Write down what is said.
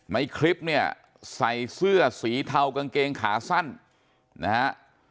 ในคลิปเนี่ยใส่เสื้อสีเทากางเกงขาสั้นนะฮะ